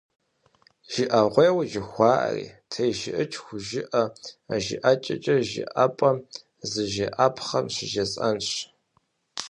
Жыӏэгъуейуэ жыхуаӏэри, тежыӏыкӏ хужыӏэу жыӏэкӏэкӏэ жыӏэпӏэм зыжеӏапхъэм щыжесӏэнщ.